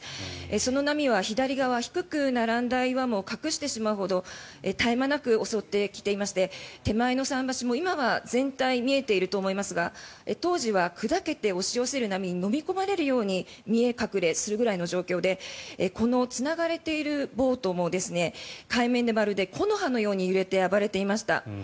その波は左側低く並んだ岩も隠してしまうほど絶え間なく襲ってきていまして手前の桟橋も今は全体見えていると思いますが当時は砕けて押し寄せる波にのみ込まれるように見え隠れするぐらいの状況でこのつながれているボートも海面でまるで木の葉のように揺れて暴れていました。